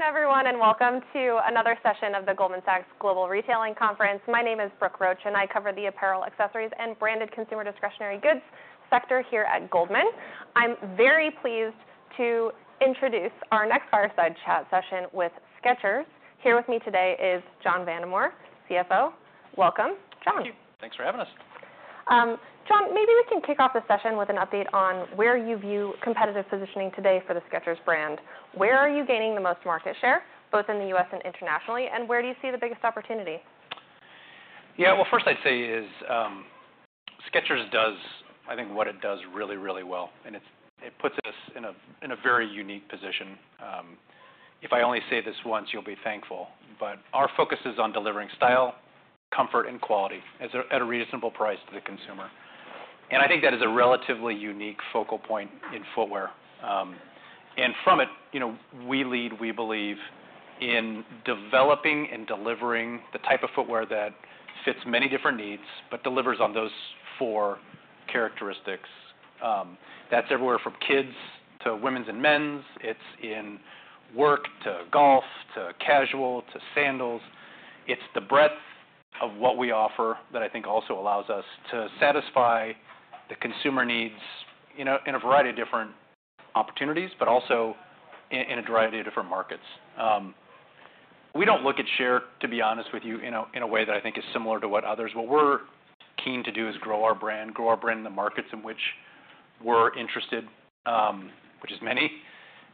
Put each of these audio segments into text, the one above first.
Hey, everyone, and welcome to another session of the Goldman Sachs Global Retailing Conference. My name is Brooke Roach, and I cover the apparel, accessories, and branded consumer discretionary goods sector here at Goldman. I'm very pleased to introduce our next fireside chat session with Skechers. Here with me today is John Vandemore, CFO. Welcome, John. Thank you. Thanks for having us. John, maybe we can kick off the session with an update on where you view competitive positioning today for the Skechers brand. Where are you gaining the most market share, both in the U.S. and internationally, and where do you see the biggest opportunity? Yeah. Well, first I'd say is, Skechers does, I think, what it does really, really well, and it puts us in a very unique position. If I only say this once, you'll be thankful, but our focus is on delivering style, comfort, and quality at a reasonable price to the consumer, and I think that is a relatively unique focal point in footwear, and from it, you know, we lead, we believe in developing and delivering the type of footwear that fits many different needs, but delivers on those four characteristics. That's everywhere from kids to women's and men's. It's in work, to golf, to casual, to sandals. It's the breadth of what we offer that I think also allows us to satisfy the consumer needs, you know, in a variety of different opportunities, but also in a variety of different markets. We don't look at share, to be honest with you, in a way that I think is similar to what others. What we're keen to do is grow our brand, grow our brand in the markets in which we're interested, which is many.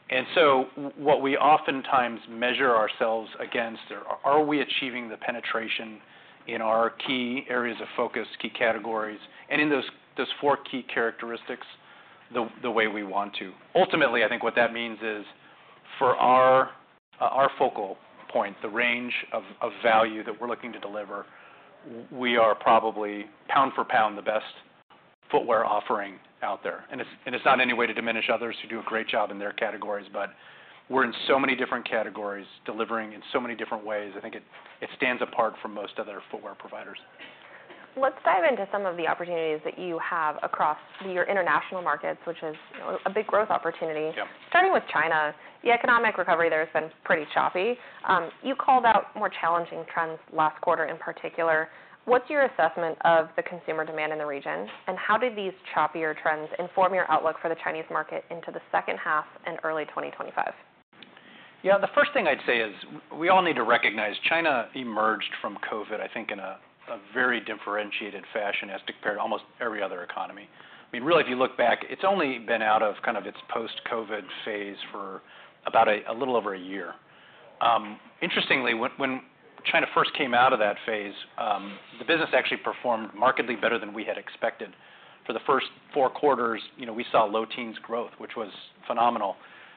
And so what we oftentimes measure ourselves against, are we achieving the penetration in our key areas of focus, key categories, and in those four key characteristics, the way we want to. Ultimately, I think what that means is, for our focal point, the range of value that we're looking to deliver, we are probably pound for pound, the best footwear offering out there. And it's not in any way to diminish others who do a great job in their categories, but we're in so many different categories, delivering in so many different ways. I think it stands apart from most other footwear providers. Let's dive into some of the opportunities that you have across your international markets, which is, you know, a big growth opportunity. Yeah. Starting with China, the economic recovery there has been pretty choppy. You called out more challenging trends last quarter, in particular. What's your assessment of the consumer demand in the region, and how did these choppier trends inform your outlook for the Chinese market into the second half and early 2025? Yeah, the first thing I'd say is, we all need to recognize China emerged from COVID, I think, in a very differentiated fashion as compared to almost every other economy. I mean, really, if you look back, it's only been out of kind of its post-COVID phase for about a little over a year. Interestingly, when China first came out of that phase, the business actually performed markedly better than we had expected. For the first four quarters, you know, we saw low teens growth, which was phenomenal,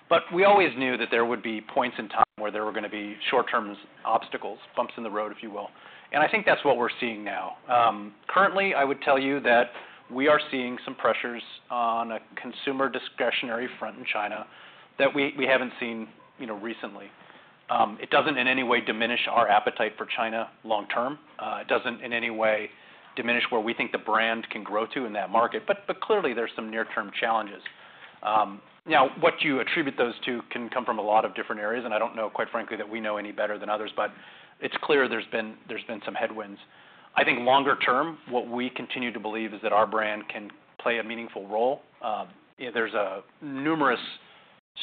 but we always knew that there would be points in time where there were going to be short-term obstacles, bumps in the road, if you will, and I think that's what we're seeing now. Currently, I would tell you that we are seeing some pressures on a consumer discretionary front in China that we haven't seen, you know, recently. It doesn't in any way diminish our appetite for China long term. It doesn't in any way diminish where we think the brand can grow to in that market, but clearly there's some near-term challenges. Now, what you attribute those to can come from a lot of different areas, and I don't know, quite frankly, that we know any better than others, but it's clear there's been some headwinds. I think longer term, what we continue to believe is that our brand can play a meaningful role. There's numerous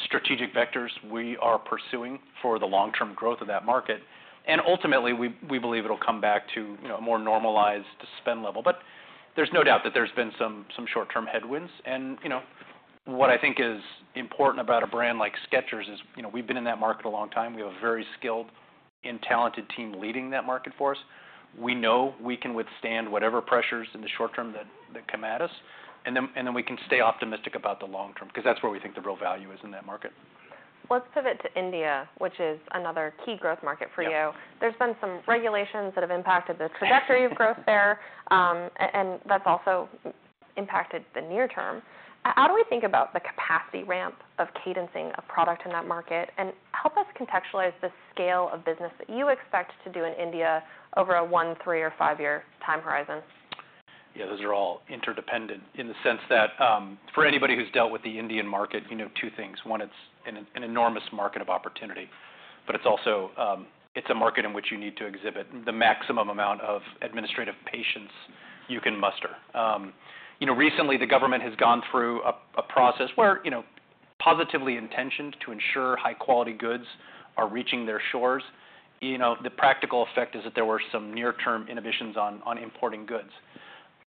strategic vectors we are pursuing for the long-term growth of that market, and ultimately, we believe it'll come back to, you know, a more normalized spend level, but there's no doubt that there's been some short-term headwinds, and you know, what I think is important about a brand like Skechers is, you know, we've been in that market a long time. We have a very skilled and talented team leading that market for us. We know we can withstand whatever pressures in the short term that come at us, and then we can stay optimistic about the long term, because that's where we think the real value is in that market. Let's pivot to India, which is another key growth market for you. Yeah. There's been some regulations that have impacted the trajectory of growth there, and that's also impacted the near term. How do we think about the capacity ramp of cadencing a product in that market? And help us contextualize the scale of business that you expect to do in India over a one, three, or five-year time horizon. Yeah, those are all interdependent in the sense that, for anybody who's dealt with the Indian market, you know two things: one, it's an enormous market of opportunity, but it's also, it's a market in which you need to exhibit the maximum amount of administrative patience you can muster. You know, recently, the government has gone through a process where, you know, positively intentioned to ensure high quality goods are reaching their shores. You know, the practical effect is that there were some near-term inhibitions on importing goods.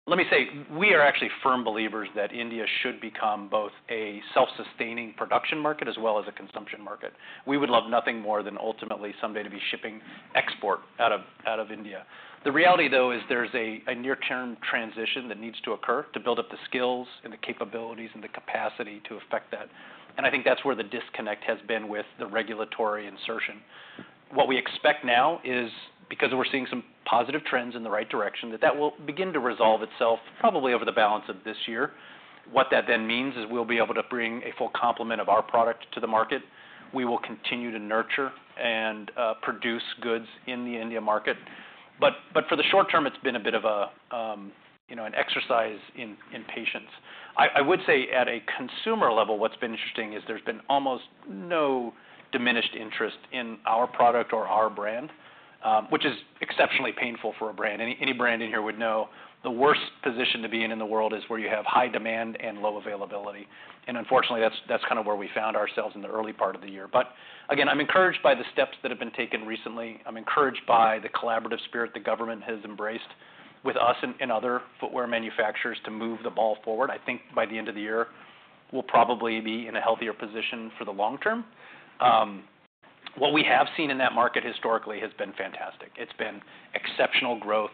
Let me say, we are actually firm believers that India should become both a self-sustaining production market as well as a consumption market. We would love nothing more than ultimately someday to be shipping export out of India. The reality, though, is there's a near-term transition that needs to occur to build up the skills and the capabilities and the capacity to affect that, and I think that's where the disconnect has been with the regulatory insertion. What we expect now is, because we're seeing some positive trends in the right direction, that that will begin to resolve itself probably over the balance of this year. What that then means is we'll be able to bring a full complement of our product to the market. We will continue to nurture and produce goods in the India market, but for the short term, it's been a bit of a, you know, an exercise in patience. I would say at a consumer level, what's been interesting is there's been almost no diminished interest in our product or our brand, which is exceptionally painful for a brand. Any brand in here would know the worst position to be in the world is where you have high demand and low availability. And unfortunately, that's kind of where we found ourselves in the early part of the year. But again, I'm encouraged by the steps that have been taken recently. I'm encouraged by the collaborative spirit the government has embraced with us and other footwear manufacturers to move the ball forward. I think by the end of the year, we'll probably be in a healthier position for the long term. What we have seen in that market historically has been fantastic. It's been exceptional growth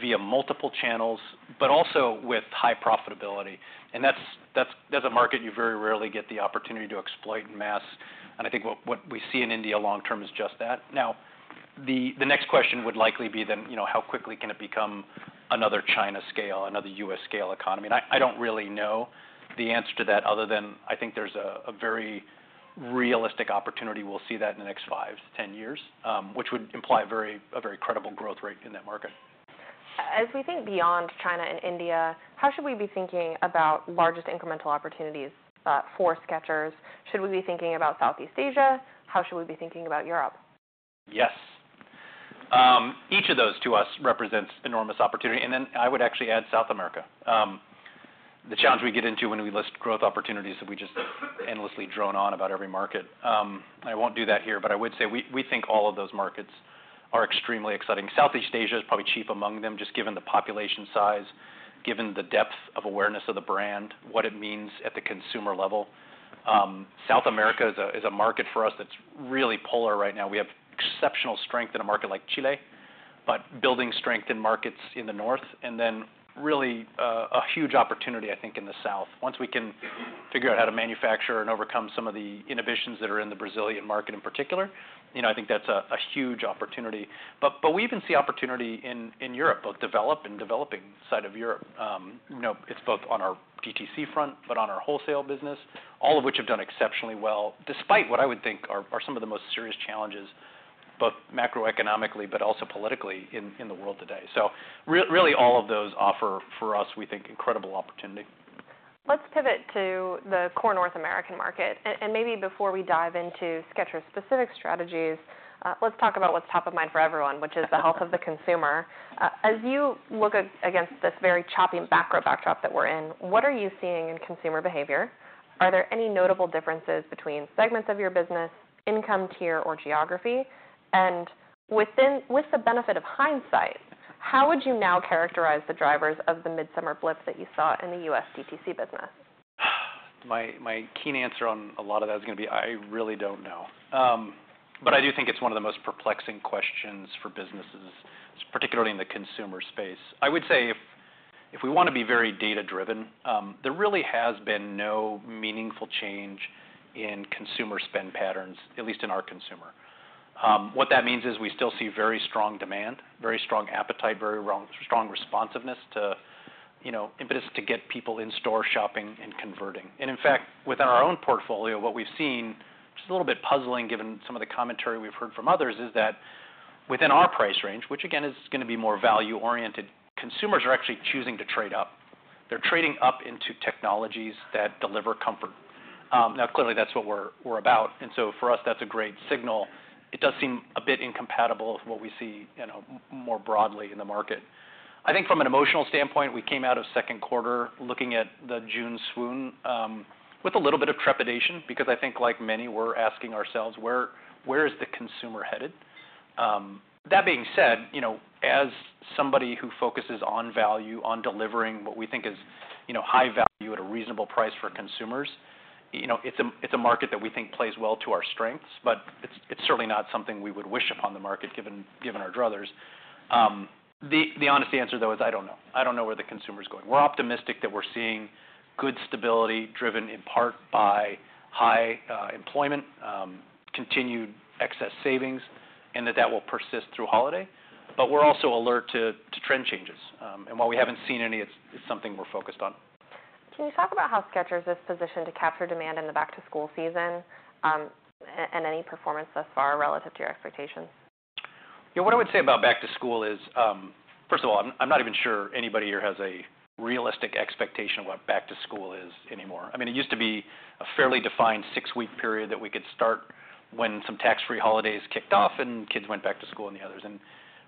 via multiple channels, but also with high profitability. And that's a market you very rarely get the opportunity to exploit in mass, and I think what we see in India long term is just that. Now, the next question would likely be then, you know, how quickly can it become another China scale, another US scale economy? And I don't really know the answer to that other than I think there's a very realistic opportunity we'll see that in the next five to ten years, which would imply very a very credible growth rate in that market. As we think beyond China and India, how should we be thinking about largest incremental opportunities, for Skechers? Should we be thinking about Southeast Asia? How should we be thinking about Europe? Yes. Each of those to us represents enormous opportunity, and then I would actually add South America. The challenge we get into when we list growth opportunities is we just endlessly drone on about every market. I won't do that here, but I would say we think all of those markets are extremely exciting. Southeast Asia is probably chief among them, just given the population size, given the depth of awareness of the brand, what it means at the consumer level. South America is a market for us that's really poised right now. We have exceptional strength in a market like Chile, but building strength in markets in the north, and then really a huge opportunity, I think, in the south. Once we can figure out how to manufacture and overcome some of the inhibitions that are in the Brazilian market in particular, you know, I think that's a huge opportunity. But we even see opportunity in Europe, both developed and developing side of Europe. You know, it's both on our DTC front, but on our wholesale business, all of which have done exceptionally well, despite what I would think are some of the most serious challenges, both macroeconomically, but also politically in the world today. So really, all of those offer for us, we think, incredible opportunity. Let's pivot to the core North American market. And maybe before we dive into Skechers' specific strategies, let's talk about what's top of mind for everyone, which is the health of the consumer. As you look against this very choppy macro backdrop that we're in, what are you seeing in consumer behavior? Are there any notable differences between segments of your business, income tier, or geography? And with the benefit of hindsight, how would you now characterize the drivers of the midsummer blip that you saw in the U.S. DTC business? My main answer on a lot of that is gonna be, I really don't know. But I do think it's one of the most perplexing questions for businesses, particularly in the consumer space. I would say if, if we wanna be very data driven, there really has been no meaningful change in consumer spend patterns, at least in our consumer. What that means is we still see very strong demand, very strong appetite, very strong responsiveness to, you know, impetus to get people in store shopping and converting. And in fact, within our own portfolio, what we've seen, which is a little bit puzzling given some of the commentary we've heard from others, is that within our price range, which again is gonna be more value-oriented, consumers are actually choosing to trade up. They're trading up into technologies that deliver comfort. Now, clearly, that's what we're about, and so for us, that's a great signal. It does seem a bit incompatible with what we see, you know, more broadly in the market. I think from an emotional standpoint, we came out of second quarter looking at the June swoon with a little bit of trepidation, because I think, like many, we're asking ourselves, where is the consumer headed? That being said, you know, as somebody who focuses on value, on delivering what we think is, you know, high value at a reasonable price for consumers, you know, it's a market that we think plays well to our strengths, but it's certainly not something we would wish upon the market, given our druthers. The honest answer, though, is I don't know. I don't know where the consumer is going. We're optimistic that we're seeing good stability driven in part by high employment, continued excess savings, and that that will persist through holiday, but we're also alert to trend changes, and while we haven't seen any, it's something we're focused on. Can you talk about how Skechers is positioned to capture demand in the back-to-school season, and any performance thus far relative to your expectations? Yeah, what I would say about back to school is, first of all, I'm not even sure anybody here has a realistic expectation of what back to school is anymore. I mean, it used to be a fairly defined six-week period that we could start when some tax-free holidays kicked off and kids went back to school and the others.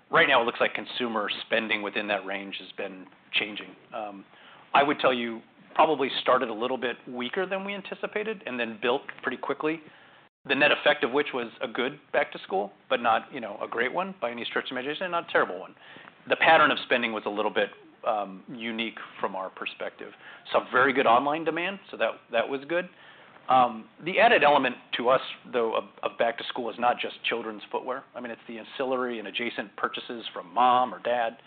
Right now, it looks like consumer spending within that range has been changing. I would tell you, probably started a little bit weaker than we anticipated and then built pretty quickly. The net effect of which was a good back to school, but not, you know, a great one by any stretch of imagination, not a terrible one. The pattern of spending was a little bit unique from our perspective. Some very good online demand, so that was good. The added element to us, though, of back to school is not just children's footwear. I mean, it's the ancillary and adjacent purchases from mom or dad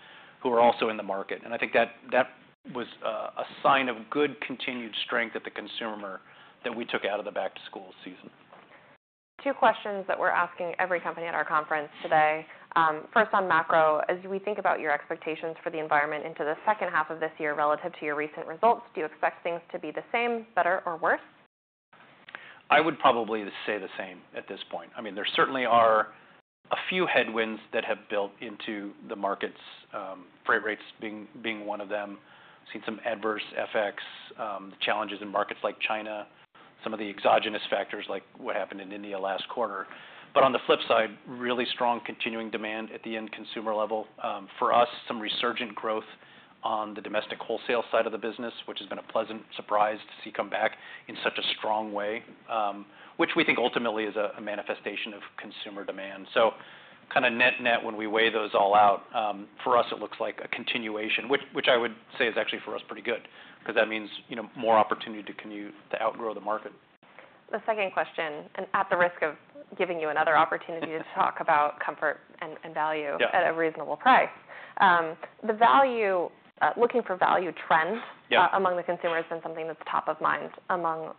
who are also in the market, and I think that was a sign of good continued strength at the consumer that we took out of the back to school season. Two questions that we're asking every company at our conference today. First, on macro, as we think about your expectations for the environment into the second half of this year relative to your recent results, do you expect things to be the same, better, or worse?... I would probably say the same at this point. I mean, there certainly are a few headwinds that have built into the markets, freight rates being one of them. Seen some adverse FX challenges in markets like China, some of the exogenous factors, like what happened in India last quarter. But on the flip side, really strong continuing demand at the end consumer level. For us, some resurgent growth on the domestic wholesale side of the business, which has been a pleasant surprise to see come back in such a strong way, which we think ultimately is a manifestation of consumer demand. So kinda net-net, when we weigh those all out, for us, it looks like a continuation, which I would say is actually, for us, pretty good, 'cause that means, you know, more opportunity to outgrow the market. The second question, and at the risk of giving you another opportunity-... to talk about comfort and value- Yeah... at a reasonable price. The value, looking for value trends- Yeah among the consumers and something that's top of mind among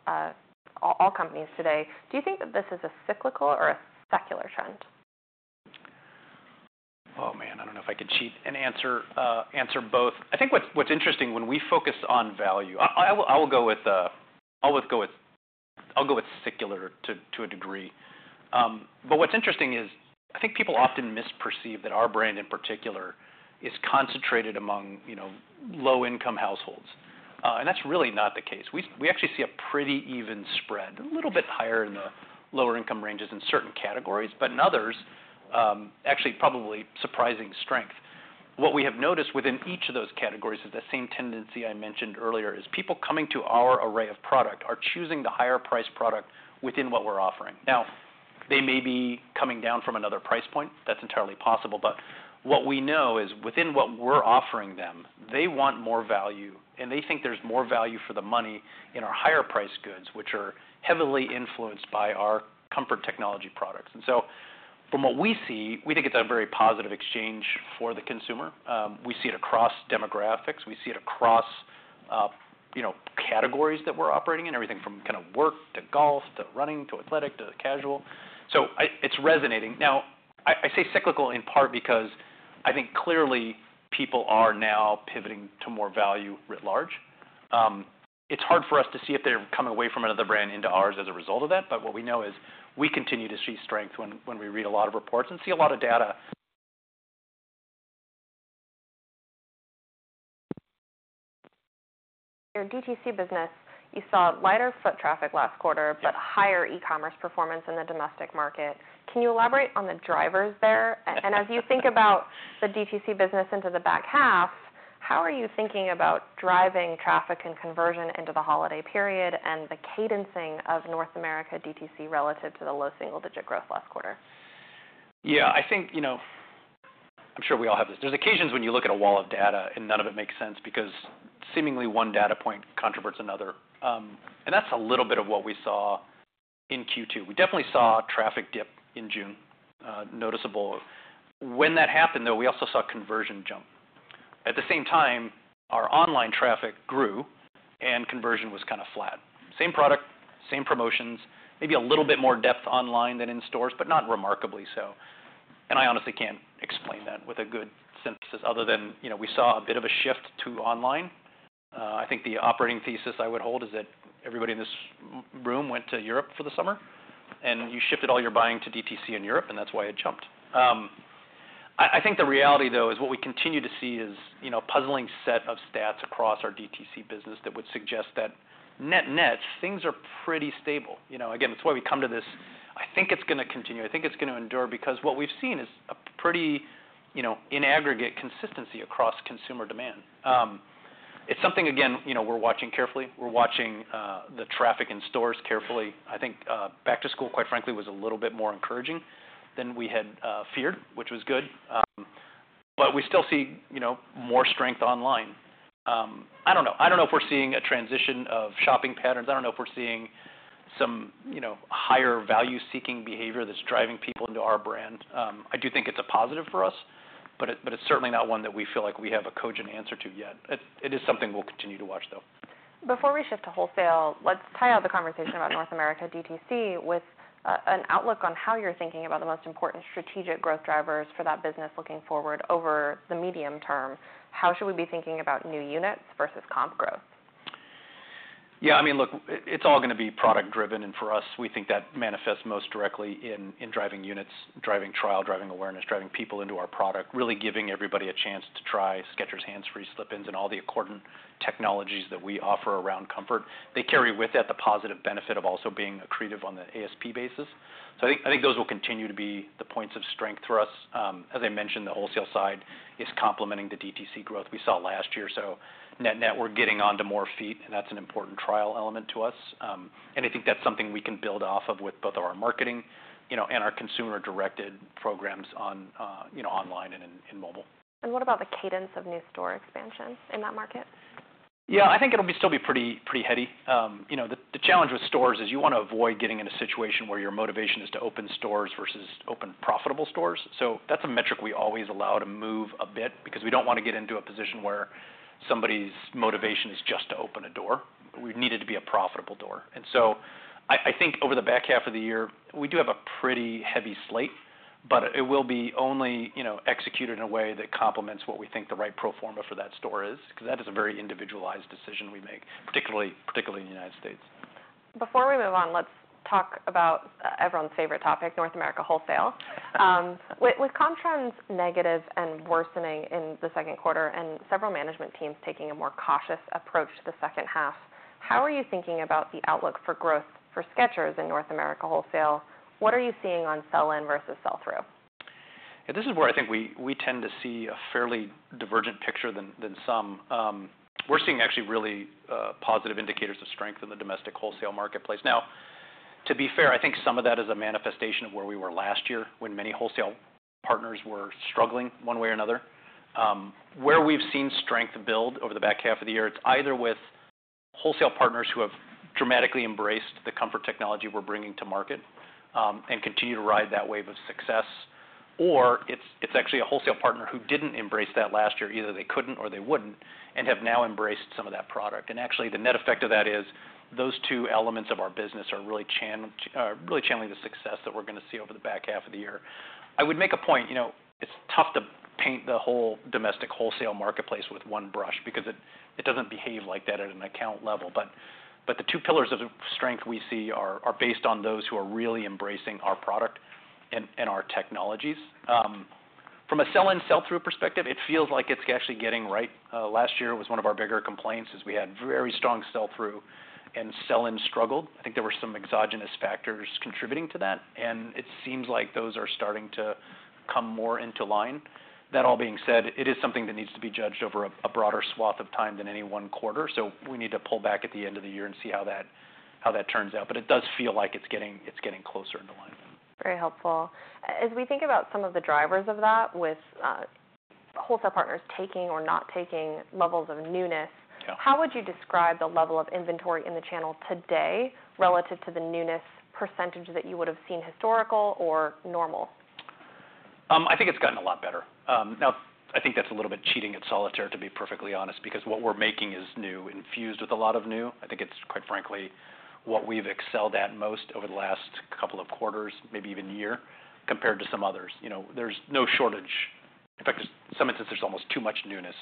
all companies today. Do you think that this is a cyclical or a secular trend? Oh, man, I don't know if I could cheat and answer both. I think what's interesting, when we focus on value... I will go with, I'll always go with-- I'll go with secular to a degree. But what's interesting is, I think people often misperceive that our brand, in particular, is concentrated among, you know, low-income households. And that's really not the case. We actually see a pretty even spread, a little bit higher in the lower income ranges in certain categories, but in others, actually, probably surprising strength. What we have noticed within each of those categories is the same tendency I mentioned earlier, is people coming to our array of product are choosing the higher priced product within what we're offering. Now, they may be coming down from another price point. That's entirely possible. But what we know is within what we're offering them, they want more value, and they think there's more value for the money in our higher priced goods, which are heavily influenced by our comfort technology products. And so from what we see, we think it's a very positive exchange for the consumer. We see it across demographics. We see it across, you know, categories that we're operating in, everything from kind of work to golf to running to athletic to casual. So it's resonating. Now, I say cyclical, in part, because I think clearly people are now pivoting to more value writ large. It's hard for us to see if they're coming away from another brand into ours as a result of that, but what we know is we continue to see strength when we read a lot of reports and see a lot of data. Your DTC business, you saw lighter foot traffic last quarter, but higher e-commerce performance in the domestic market. Can you elaborate on the drivers there? And as you think about the DTC business into the back half, how are you thinking about driving traffic and conversion into the holiday period and the cadence of North America DTC relative to the low single-digit growth last quarter? Yeah, I think, you know, I'm sure we all have this. There's occasions when you look at a wall of data, and none of it makes sense because seemingly one data point controverts another. And that's a little bit of what we saw in Q2. We definitely saw traffic dip in June, noticeable. When that happened, though, we also saw conversion jump. At the same time, our online traffic grew, and conversion was kind of flat. Same product, same promotions, maybe a little bit more depth online than in stores, but not remarkably so. And I honestly can't explain that with a good synthesis other than, you know, we saw a bit of a shift to online. I think the operating thesis I would hold is that everybody in this room went to Europe for the summer, and you shifted all your buying to DTC in Europe, and that's why it jumped. I think the reality, though, is what we continue to see is, you know, puzzling set of stats across our DTC business that would suggest that net-net, things are pretty stable. You know, again, that's why we come to this, I think it's gonna continue. I think it's gonna endure because what we've seen is a pretty, you know, in aggregate, consistency across consumer demand. It's something, again, you know, we're watching carefully. We're watching the traffic in stores carefully. I think, back to school, quite frankly, was a little bit more encouraging than we had feared, which was good. But we still see, you know, more strength online. I don't know. I don't know if we're seeing a transition of shopping patterns. I don't know if we're seeing some, you know, higher value-seeking behavior that's driving people into our brand. I do think it's a positive for us, but it's certainly not one that we feel like we have a cogent answer to yet. It is something we'll continue to watch, though. Before we shift to wholesale, let's tie out the conversation about North America DTC with an outlook on how you're thinking about the most important strategic growth drivers for that business looking forward over the medium term. How should we be thinking about new units versus comp growth? Yeah, I mean, look, it, it's all gonna be product driven, and for us, we think that manifests most directly in driving units, driving trial, driving awareness, driving people into our product, really giving everybody a chance to try Skechers Hands Free Slip-ins and all the accordant technologies that we offer around comfort. They carry with that the positive benefit of also being accretive on the ASP basis. So I think those will continue to be the points of strength for us. As I mentioned, the wholesale side is complementing the DTC growth we saw last year. So net-net, we're getting onto more feet, and that's an important trial element to us. And I think that's something we can build off of with both our marketing, you know, and our consumer-directed programs on, you know, online and in mobile. What about the cadence of new store expansion in that market? Yeah, I think it'll still be pretty heady. You know, the challenge with stores is you wanna avoid getting in a situation where your motivation is to open stores versus open profitable stores. So that's a metric we always allow to move a bit because we don't wanna get into a position where somebody's motivation is just to open a door. We need it to be a profitable door. And so I think over the back half of the year, we do have a pretty heavy slate, but it will be only, you know, executed in a way that complements what we think the right pro forma for that store is, because that is a very individualized decision we make, particularly in the United States. Before we move on, let's talk about everyone's favorite topic, North America wholesale. With comp trends negative and worsening in the second quarter, and several management teams taking a more cautious approach to the second half, how are you thinking about the outlook for growth for Skechers in North America wholesale? What are you seeing on sell-in versus sell-through? Yeah, this is where I think we tend to see a fairly divergent picture than some. We're seeing actually really positive indicators of strength in the domestic wholesale marketplace. Now, to be fair, I think some of that is a manifestation of where we were last year, when many wholesale partners were struggling one way or another. Where we've seen strength build over the back half of the year, it's either with wholesale partners who have dramatically embraced the comfort technology we're bringing to market and continue to ride that wave of success, or it's actually a wholesale partner who didn't embrace that last year, either they couldn't or they wouldn't, and have now embraced some of that product. Actually, the net effect of that is those two elements of our business are really channeling the success that we're gonna see over the back half of the year. I would make a point, you know, it's tough to paint the whole domestic wholesale marketplace with one brush because it doesn't behave like that at an account level. But the two pillars of strength we see are based on those who are really embracing our product and our technologies. From a sell-in, sell-through perspective, it feels like it's actually getting right. Last year was one of our bigger complaints, as we had very strong sell-through, and sell-in struggled. I think there were some exogenous factors contributing to that, and it seems like those are starting to come more into line. That all being said, it is something that needs to be judged over a broader swath of time than any one quarter, so we need to pull back at the end of the year and see how that turns out. But it does feel like it's getting closer into line. Very helpful. As we think about some of the drivers of that, with wholesale partners taking or not taking levels of newness. Yeah ... how would you describe the level of inventory in the channel today relative to the newness percentage that you would have seen historical or normal? I think it's gotten a lot better. Now, I think that's a little bit cheating at solitaire, to be perfectly honest, because what we're making is new, infused with a lot of new. I think it's, quite frankly, what we've excelled at most over the last couple of quarters, maybe even year, compared to some others. You know, there's no shortage. In fact, in some instances, there's almost too much newness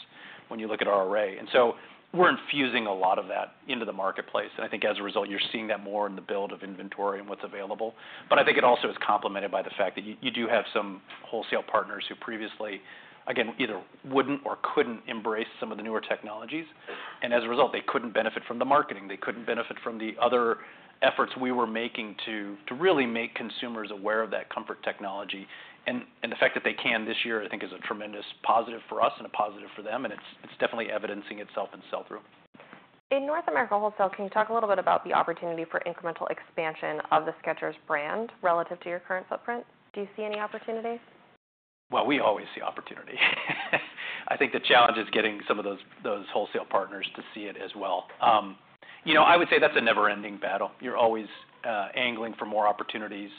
when you look at our array. And so we're infusing a lot of that into the marketplace, and I think as a result, you're seeing that more in the build of inventory and what's available. But I think it also is complemented by the fact that you, you do have some wholesale partners who previously, again, either wouldn't or couldn't embrace some of the newer technologies, and as a result, they couldn't benefit from the marketing, they couldn't benefit from the other efforts we were making to, to really make consumers aware of that comfort technology. And, and the fact that they can this year, I think, is a tremendous positive for us and a positive for them, and it's, it's definitely evidencing itself in sell-through. In North America wholesale, can you talk a little bit about the opportunity for incremental expansion of the Skechers brand relative to your current footprint? Do you see any opportunities? We always see opportunity. I think the challenge is getting some of those wholesale partners to see it as well. You know, I would say that's a never-ending battle. You're always angling for more opportunities.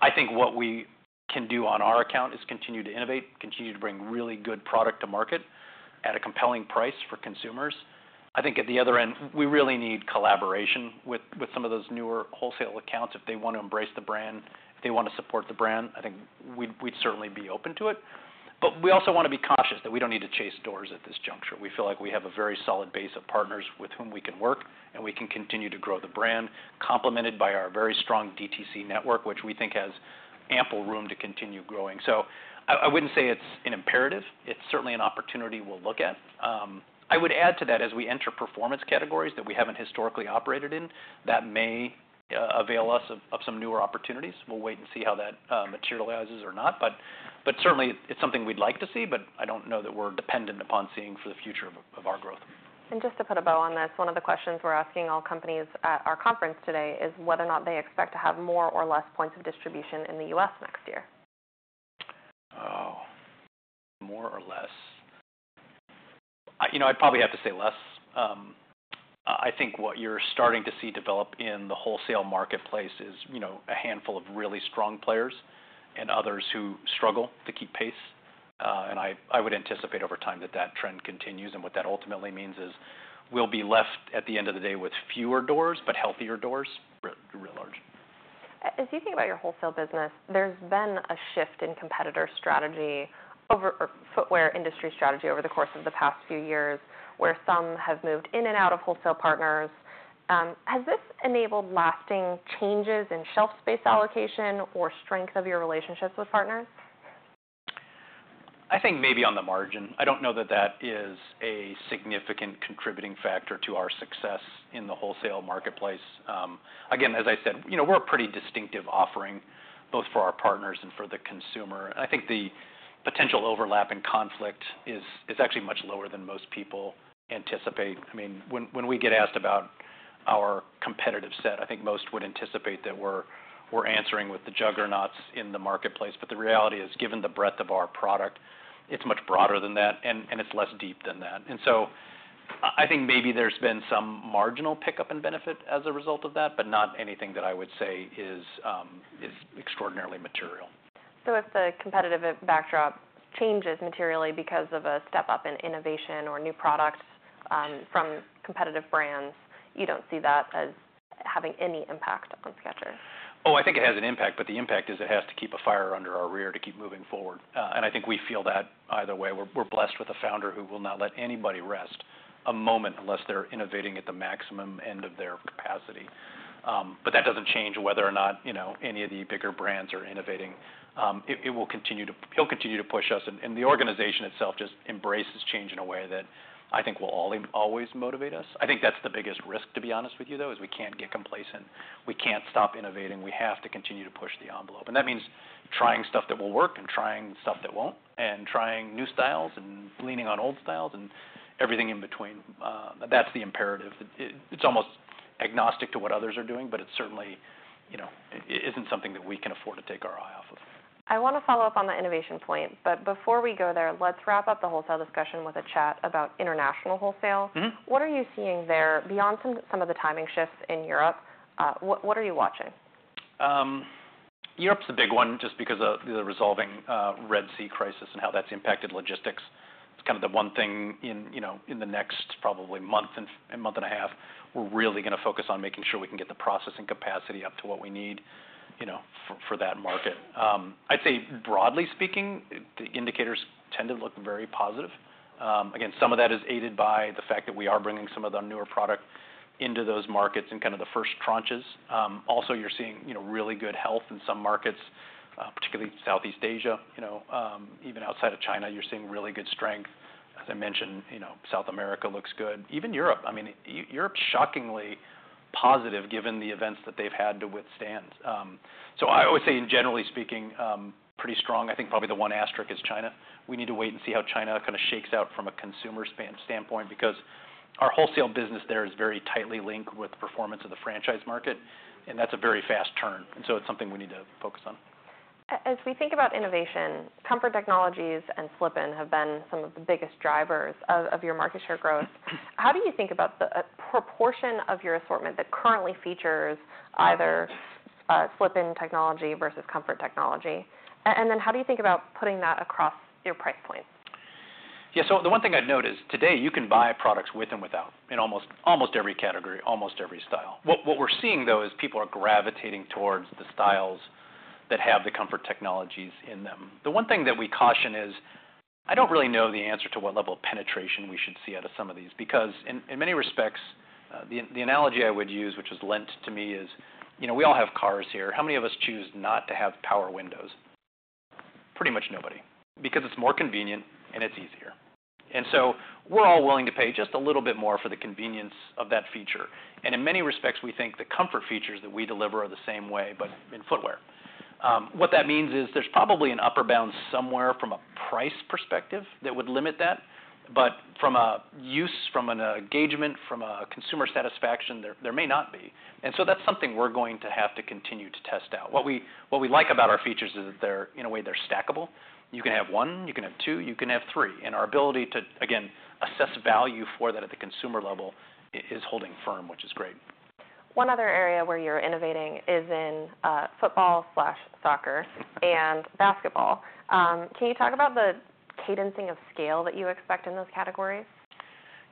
I think what we can do on our account is continue to innovate, continue to bring really good product to market at a compelling price for consumers. I think at the other end, we really need collaboration with some of those newer wholesale accounts. If they wanna embrace the brand, if they wanna support the brand, I think we'd certainly be open to it. But we also wanna be cautious that we don't need to chase doors at this juncture. We feel like we have a very solid base of partners with whom we can work, and we can continue to grow the brand, complemented by our very strong DTC network, which we think has ample room to continue growing. So I wouldn't say it's an imperative. It's certainly an opportunity we'll look at. I would add to that, as we enter performance categories that we haven't historically operated in, that may avail us of some newer opportunities. We'll wait and see how that materializes or not, but certainly it's something we'd like to see, but I don't know that we're dependent upon seeing for the future of our growth. Just to put a bow on this, one of the questions we're asking all companies at our conference today is whether or not they expect to have more or less points of distribution in the U.S. next year. Oh, more or less? You know, I'd probably have to say less. I think what you're starting to see develop in the wholesale marketplace is, you know, a handful of really strong players and others who struggle to keep pace, and I would anticipate over time that that trend continues, and what that ultimately means is we'll be left, at the end of the day, with fewer doors, but healthier doors, larger. As you think about your wholesale business, there's been a shift in competitor strategy over, or footwear industry strategy, over the course of the past few years, where some have moved in and out of wholesale partners. Has this enabled lasting changes in shelf space allocation or strength of your relationships with partners? I think maybe on the margin. I don't know that that is a significant contributing factor to our success in the wholesale marketplace. Again, as I said, you know, we're a pretty distinctive offering, both for our partners and for the consumer. I think the potential overlap and conflict is actually much lower than most people anticipate. I mean, when we get asked about our competitive set, I think most would anticipate that we're answering with the juggernauts in the marketplace, but the reality is, given the breadth of our product, it's much broader than that, and it's less deep than that. And so I think maybe there's been some marginal pickup and benefit as a result of that, but not anything that I would say is extraordinarily material. So if the competitive backdrop changes materially because of a step-up in innovation or new products from competitive brands, you don't see that as having any impact on Skechers? Oh, I think it has an impact, but the impact is it has to keep a fire under our rear to keep moving forward and I think we feel that either way. We're blessed with a founder who will not let anybody rest a moment unless they're innovating at the maximum end of their capacity, but that doesn't change whether or not, you know, any of the bigger brands are innovating. He'll continue to push us, and the organization itself just embraces change in a way that I think will always motivate us. I think that's the biggest risk, to be honest with you, though, is we can't get complacent. We can't stop innovating. We have to continue to push the envelope. And that means trying stuff that will work and trying stuff that won't, and trying new styles and leaning on old styles and everything in between. That's the imperative. It's almost agnostic to what others are doing, but it certainly, you know, isn't something that we can afford to take our eye off of. I wanna follow up on the innovation point, but before we go there, let's wrap up the wholesale discussion with a chat about international wholesale. Mm-hmm. What are you seeing there beyond some of the timing shifts in Europe? What are you watching? Europe's a big one, just because of the resolving Red Sea crisis and how that's impacted logistics. It's kind of the one thing in, you know, in the next probably month and month and a half, we're really gonna focus on making sure we can get the processing capacity up to what we need, you know, for that market. I'd say broadly speaking, the indicators tend to look very positive. Again, some of that is aided by the fact that we are bringing some of the newer product into those markets in kind of the first tranches. Also, you're seeing, you know, really good health in some markets, particularly Southeast Asia. You know, even outside of China, you're seeing really good strength. As I mentioned, you know, South America looks good. Even Europe, I mean, Europe's shockingly positive given the events that they've had to withstand. So I would say, generally speaking, pretty strong. I think probably the one asterisk is China. We need to wait and see how China kind of shakes out from a consumer standpoint, because our wholesale business there is very tightly linked with the performance of the franchise market, and that's a very fast turn, and so it's something we need to focus on. As we think about innovation, comfort technologies and slip-in have been some of the biggest drivers of your market share growth. How do you think about the proportion of your assortment that currently features either slip-in technology versus comfort technology? And then how do you think about putting that across your price point? Yeah, so the one thing I'd note is, today, you can buy products with and without, in almost every category, almost every style. What we're seeing, though, is people are gravitating towards the styles that have the comfort technologies in them. The one thing that we caution is, I don't really know the answer to what level of penetration we should see out of some of these. Because in many respects, the analogy I would use, which is lent to me, is, you know, we all have cars here. How many of us choose not to have power windows? Pretty much nobody, because it's more convenient and it's easier. And so we're all willing to pay just a little bit more for the convenience of that feature. And in many respects, we think the comfort features that we deliver are the same way, but in footwear. What that means is there's probably an upper bound somewhere from a price perspective that would limit that, but from a use, from an engagement, from a consumer satisfaction, there may not be. And so that's something we're going to have to continue to test out. What we like about our features is that they're, in a way, they're stackable. You can have one, you can have two, you can have three, and our ability to, again, assess value for that at the consumer level is holding firm, which is great. One other area where you're innovating is in football/soccer and basketball. Can you talk about the cadencing of scale that you expect in those categories?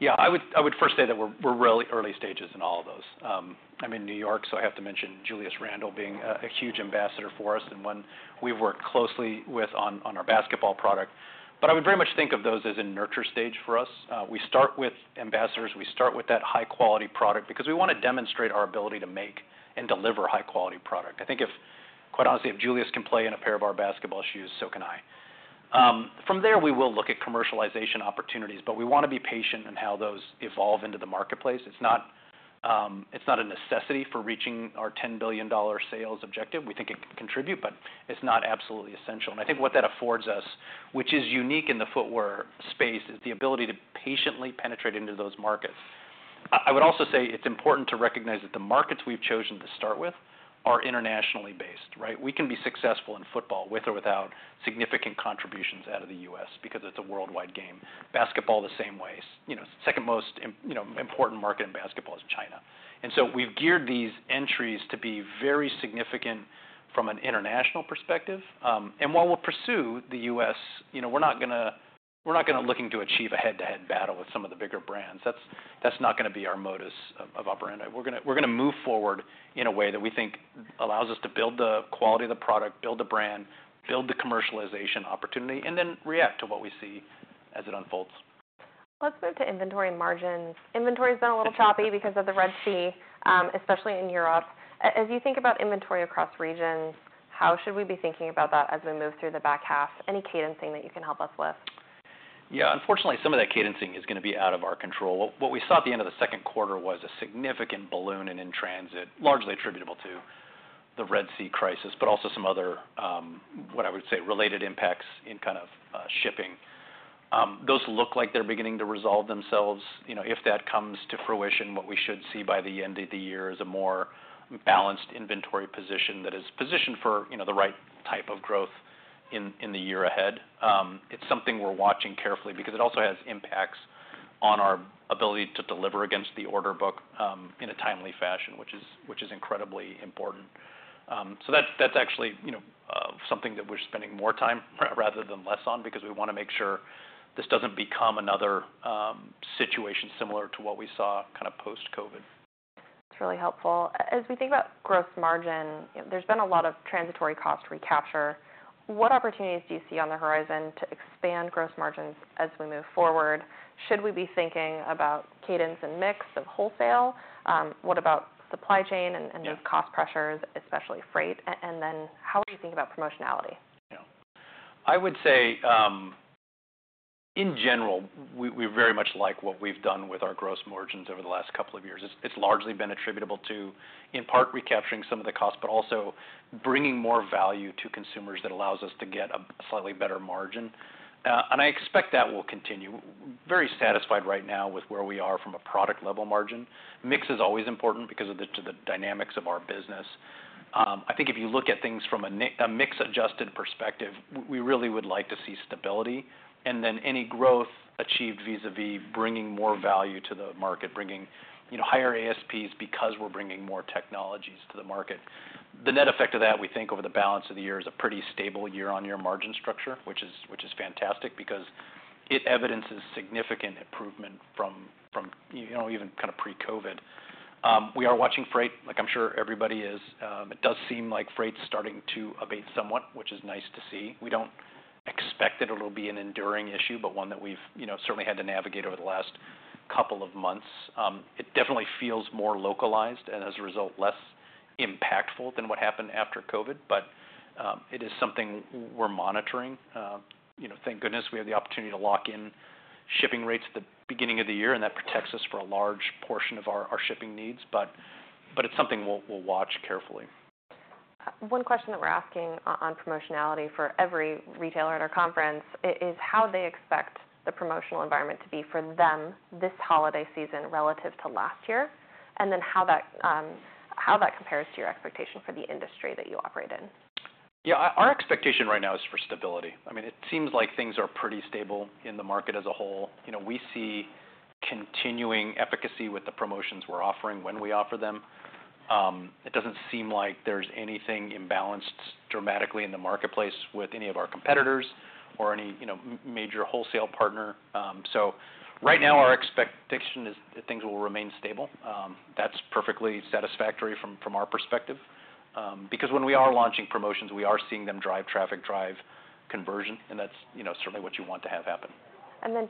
Yeah. I would first say that we're really early stages in all of those. I'm in New York, so I have to mention Julius Randle being a huge ambassador for us and one we've worked closely with on our basketball product. But I would very much think of those as in nurture stage for us. We start with ambassadors, we start with that high-quality product because we wanna demonstrate our ability to make and deliver high-quality product. I think quite honestly, if Julius can play in a pair of our basketball shoes, so can I. From there, we will look at commercialization opportunities, but we wanna be patient in how those evolve into the marketplace. It's not a necessity for reaching our $10 billion sales objective. We think it can contribute, but it's not absolutely essential. And I think what that affords us, which is unique in the footwear space, is the ability to patiently penetrate into those markets. I would also say it's important to recognize that the markets we've chosen to start with are internationally based, right? We can be successful in football, with or without significant contributions out of the U.S. because it's a worldwide game. Basketball, the same way. You know, second most you know, important market in basketball is China. And so we've geared these entries to be very significant from an international perspective. And while we'll pursue the U.S., you know, we're not gonna looking to achieve a head-to-head battle with some of the bigger brands. That's not gonna be our modus operandi. We're gonna move forward in a way that we think allows us to build the quality of the product, build the brand, build the commercialization opportunity, and then react to what we see as it unfolds. Let's move to inventory and margins. Inventory's been a little choppy because of the Red Sea, especially in Europe. As you think about inventory across regions, how should we be thinking about that as we move through the back half? Any cadencing that you can help us with? Yeah, unfortunately, some of that cadencing is gonna be out of our control. What we saw at the end of the second quarter was a significant balloon and in transit, largely attributable to the Red Sea crisis, but also some other, what I would say, related impacts in kind of shipping. Those look like they're beginning to resolve themselves. You know, if that comes to fruition, what we should see by the end of the year is a more balanced inventory position that is positioned for, you know, the right type of growth in the year ahead. It's something we're watching carefully because it also has impacts on our ability to deliver against the order book in a timely fashion, which is incredibly important. So that's actually, you know-... Something that we're spending more time rather than less on, because we want to make sure this doesn't become another situation similar to what we saw kind of post-COVID. That's really helpful. As we think about gross margin, there's been a lot of transitory cost recapture. What opportunities do you see on the horizon to expand gross margins as we move forward? Should we be thinking about cadence and mix of wholesale? What about supply chain and these cost pressures, especially freight? And then how are you thinking about promotionality? Yeah. I would say, in general, we very much like what we've done with our gross margins over the last couple of years. It's largely been attributable to, in part, recapturing some of the costs, but also bringing more value to consumers that allows us to get a slightly better margin. And I expect that will continue. Very satisfied right now with where we are from a product level margin. Mix is always important because of the dynamics of our business. I think if you look at things from a mix-adjusted perspective, we really would like to see stability, and then any growth achieved vis-a-vis bringing more value to the market, bringing, you know, higher ASPs because we're bringing more technologies to the market. The net effect of that, we think, over the balance of the year, is a pretty stable year-on-year margin structure, which is fantastic because it evidences significant improvement from, you know, even kind of pre-COVID. We are watching freight, like I'm sure everybody is. It does seem like freight's starting to abate somewhat, which is nice to see. We don't expect that it'll be an enduring issue, but one that we've, you know, certainly had to navigate over the last couple of months. It definitely feels more localized, and as a result, less impactful than what happened after COVID, but it is something we're monitoring. You know, thank goodness, we had the opportunity to lock in shipping rates at the beginning of the year, and that protects us for a large portion of our shipping needs, but it's something we'll watch carefully. One question that we're asking on promotionality for every retailer at our conference is how they expect the promotional environment to be for them this holiday season relative to last year, and then how that compares to your expectation for the industry that you operate in. Yeah, our expectation right now is for stability. I mean, it seems like things are pretty stable in the market as a whole. You know, we see continuing efficacy with the promotions we're offering when we offer them. It doesn't seem like there's anything imbalanced dramatically in the marketplace with any of our competitors or any, you know, major wholesale partner. So right now, our expectation is that things will remain stable. That's perfectly satisfactory from our perspective, because when we are launching promotions, we are seeing them drive traffic, drive conversion, and that's, you know, certainly what you want to have happen.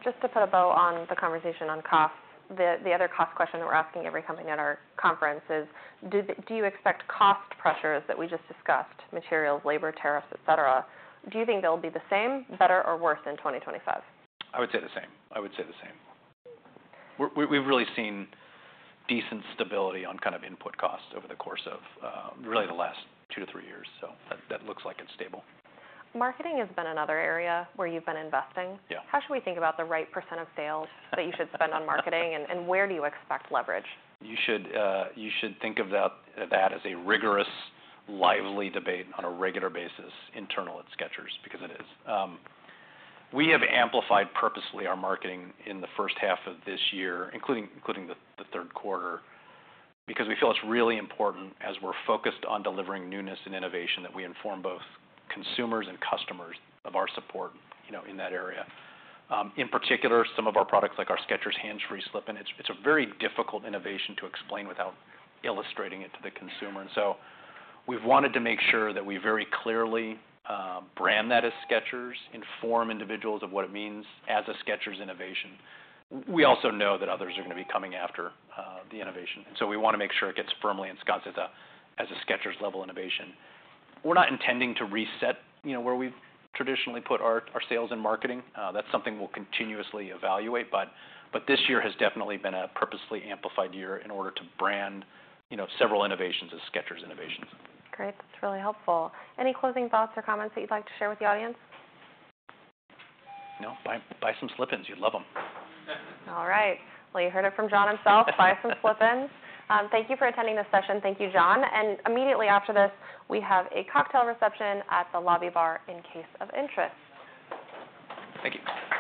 Just to put a bow on the conversation on costs, the other cost question that we're asking every company at our conference is, do you expect cost pressures that we just discussed, materials, labor, tariffs, et cetera, do you think they'll be the same, better, or worse than 2025? I would say the same. We've really seen decent stability on kind of input costs over the course of really the last two to three years, so that looks like it's stable. Marketing has been another area where you've been investing. Yeah. How should we think about the right % of sales that you should spend on marketing, and, and where do you expect leverage? You should think of that as a rigorous, lively debate on a regular basis internally at Skechers because it is. We have amplified purposely our marketing in the first half of this year, including the third quarter, because we feel it's really important as we're focused on delivering newness and innovation, that we inform both consumers and customers of our support, you know, in that area. In particular, some of our products, like our Skechers Hands Free Slip-ins, it's a very difficult innovation to explain without illustrating it to the consumer. And so we've wanted to make sure that we very clearly brand that as Skechers, inform individuals of what it means as a Skechers innovation. We also know that others are gonna be coming after the innovation, and so we wanna make sure it gets firmly ensconced as a Skechers-level innovation. We're not intending to reset, you know, where we've traditionally put our sales and marketing. That's something we'll continuously evaluate, but this year has definitely been a purposely amplified year in order to brand, you know, several innovations as Skechers innovations. Great. That's really helpful. Any closing thoughts or comments that you'd like to share with the audience? No. Buy, buy some Slip-ins. You'd love them. All right. Well, you heard it from John himself, buy some Slip-ins. Thank you for attending this session. Thank you, John. Immediately after this, we have a cocktail reception at the lobby bar, in case of interest. Thank you.